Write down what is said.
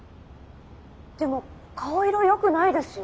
でも顔色良くないですよ。